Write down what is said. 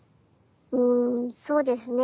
うんそうですね。